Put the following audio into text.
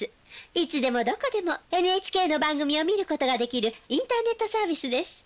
いつでもどこでもＮＨＫの番組を見ることができるインターネットサービスです。